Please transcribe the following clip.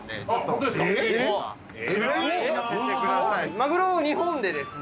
マグロを日本でですね